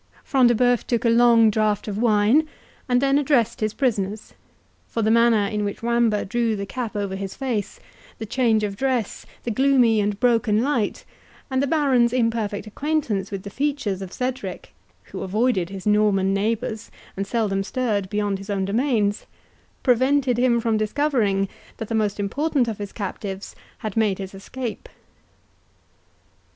Front de Bœuf took a long drought of wine, and then addressed his prisoners;—for the manner in which Wamba drew the cap over his face, the change of dress, the gloomy and broken light, and the Baron's imperfect acquaintance with the features of Cedric, (who avoided his Norman neighbours, and seldom stirred beyond his own domains,) prevented him from discovering that the most important of his captives had made his escape.